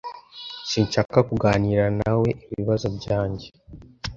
Sinshaka kuganira nawe ibibazo byanjye.